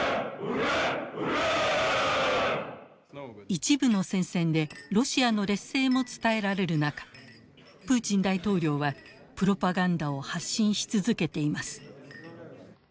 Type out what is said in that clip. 一部の戦線でロシアの劣勢も伝えられる中プーチン大統領はプロパガンダを発信し続けています。